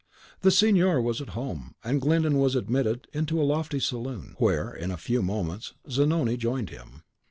The signor was at home, and Glyndon was admitted into a lofty saloon, where in a few moments Zanoni joined him.